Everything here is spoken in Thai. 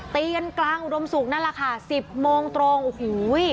เตี๊ยนกลางอุดมศุกร์นั่นล่ะค่ะ๑๐โมงตรงโอ้โหว้ย